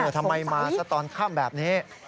ทำไมมาสักตอนข้ามแบบนี้